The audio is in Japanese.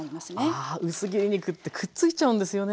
あ薄切り肉ってくっついちゃうんですよね。